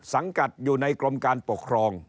สังกัดอยู่ในกรมการปกครอง